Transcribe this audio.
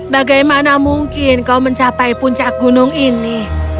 bagaimana mungkin kau mencapai puncak gunung ini